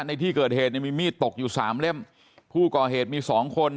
ในที่เกิดเหตุเนี่ยมีมีดตกอยู่สามเล่มผู้ก่อเหตุมีสองคน